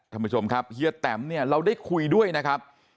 ท่านผู้ชมครับเฮียแตมเนี่ยเราได้คุยด้วยนะครับ